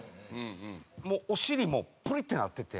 もうお尻もプリッてなってて。